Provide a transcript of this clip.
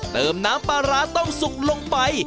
เติมน้ำปลาร้าต้องสุกลงไป